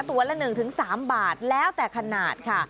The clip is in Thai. ตัวละ๑๓บาทแล้วแต่ขนาดค่ะ